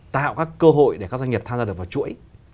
tạo các cơ hội để các doanh nghiệp tham gia được vào chuỗi